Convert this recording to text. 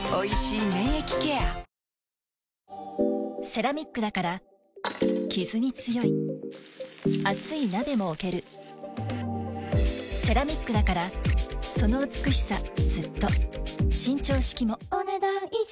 セラミックだからキズに強い熱い鍋も置けるセラミックだからその美しさずっと伸長式もお、ねだん以上。